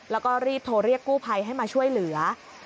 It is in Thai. แล้วก็รีบโทรเรียกกู้ภัยให้มาช่วยเหลือ